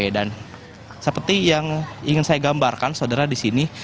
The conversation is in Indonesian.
dan seperti yang ingin saya gambarkan saudara di sini